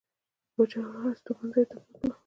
د پاچا هستوګنځي ته بوتلو.